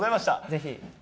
ぜひ。